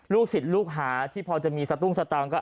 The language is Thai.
ลูกสิทธิ์ลูกหาที่พอจะมีสตุ้งสตางก็